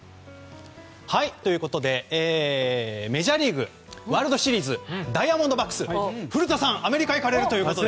ということでメジャーリーグのワールドシリーズダイヤモンドバックス古田さん、アメリカに行かれるということで。